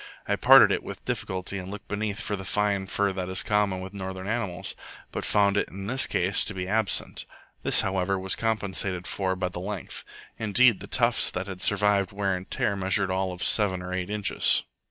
I parted it with difficulty and looked beneath for the fine fur that is common with northern animals, but found it in this case to be absent. This, however, was compensated for by the length. Indeed, the tufts that had survived wear and tear measured all of seven or eight inches.